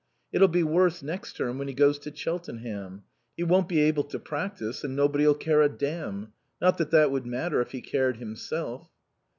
It'll be worse next term when he goes to Cheltenham. He won't be able to practice, and nobody'll care a damn.... Not that that would matter if he cared himself."